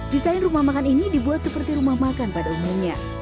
desain rumah makan ini dibuat seperti rumah makan pada umumnya